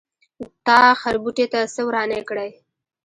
تا خربوټي څه ورانی کړی.